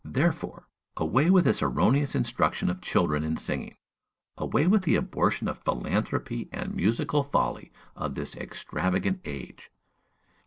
Therefore, away with this erroneous instruction of children in singing! away with this abortion of philanthropy and the musical folly of this extravagant age!